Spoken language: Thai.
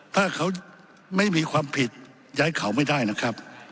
ถ้าเขาไม่มีความผิดย้ายเขาไม่ได้นะครับ